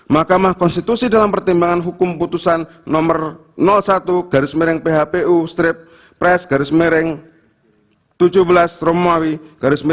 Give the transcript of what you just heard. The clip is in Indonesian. makamah konstitusi dalam pertimbangan hukum putusan nomor satu garis mereng phpu strip press garis mereng tujuh belas romawi